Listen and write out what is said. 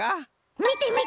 みてみて！